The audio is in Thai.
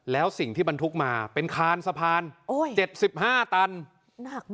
แล้วสิ่งที่บรรทุกมาเป็นคานสะพาน๗๕ตัน